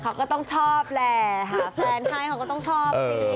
เขาก็ต้องชอบแหละหาแฟนให้เขาก็ต้องชอบสิ